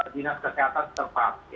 dinas kesehatan tempat